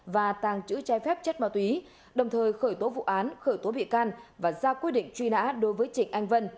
và tàng chữ trái phép chất ma túy đồng thời khởi tố vụ án khởi tố bị can và ra quyết định truy nã đối với trịnh anh vân